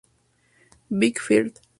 Vic Firth